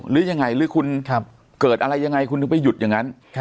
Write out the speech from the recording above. หรือยังไงหรือคุณเกิดอะไรยังไงคุณถึงไปหยุดอย่างนั้น